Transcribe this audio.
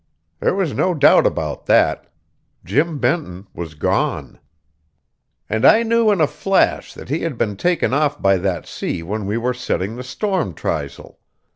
There was no doubt about that. Jim Benton was gone; and I knew in a flash that he had been taken off by that sea when we were setting the storm trysail.